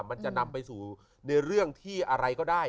มันจะนำไปสู่ในเรื่องที่อะไรก็ได้